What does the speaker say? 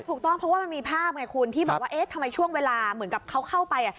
ถูกต้องเพราะว่ามันมีภาพไงคุณที่บอกว่าเอ๊ะทำไมช่วงเวลาเหมือนกับเขาเข้าไป